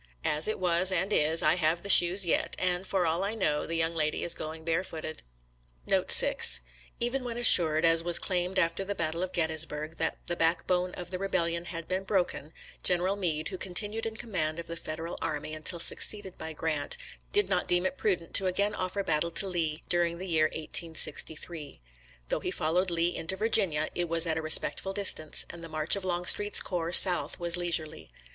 As it was and is, I have the shoes yet, and, for all I know, the young lady is going barefooted. Note 6 — Even when assured, as was claimed after the battle of Grettysburg, that " the backbone of the Rebellion had been broken," Gen. Meade, who continued in command of the Federal Army until succeeded by Grant, did not deem it prudent to again offer battle to Lee during the year 1863. Though he followed Lee into Virginia, it was at a respect ful distance, and the march of Longstreet's corps south was leisurely.